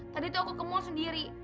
tadi tuh aku ke mall sendiri